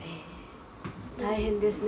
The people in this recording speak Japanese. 大変ですね